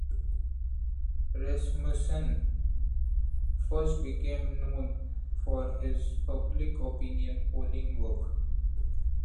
Rasmussen first became known for his public opinion polling work.